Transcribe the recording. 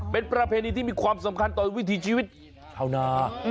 เป็นประเพณีที่มีความสำคัญต่อวิถีชีวิตชาวนา